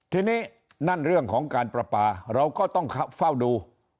ทีนี้นั่นเรื่องของการประปาเราก็ต้องเฝ้าดู